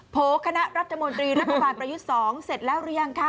โคณะรัฐมนตรีรัฐบาลประยุทธ์๒เสร็จแล้วหรือยังคะ